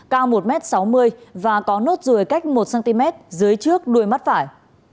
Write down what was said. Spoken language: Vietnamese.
cao một m sáu mươi và có nốt ruồi cách một cm dưới trước đuôi mắt phải